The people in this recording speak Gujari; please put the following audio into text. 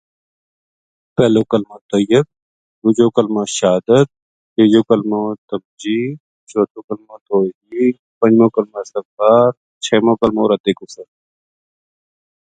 پہلوکلمو طییب، دوجو کلمو شہادت، تیجو کملو تمجید، چوتھو کملو توحید، پنجمو کلمو استغفار، چھیمو کلمو رد کفر